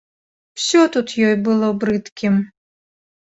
Усё тут ёй было брыдкім.